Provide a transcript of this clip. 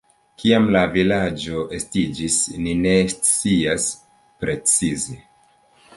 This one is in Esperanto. Kiam la vilaĝo estiĝis, ni ne scias precize.